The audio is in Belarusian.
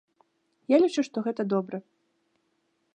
Я лічу, што гэта добра.